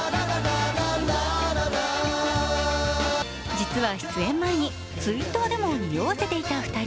実は、出演前にＴｗｉｔｔｅｒでも匂わせていた２人。